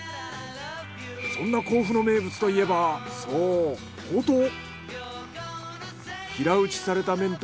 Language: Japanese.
そんな甲府の名物といえばそうほうとう。